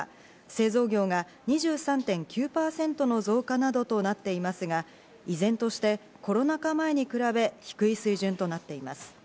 製造業が２３．９％の増加などとなっていますが、依然としてコロナ禍前に比べ低い水準となっています。